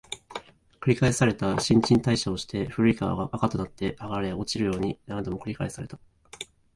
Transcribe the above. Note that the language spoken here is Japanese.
繰り返された、新陳代謝をして、古い皮が垢となって剥がれ落ちるように、何度も繰り返された